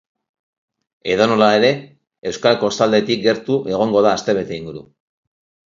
Edonola ere, euskal kostaldetik gertu egongo da astebete inguru.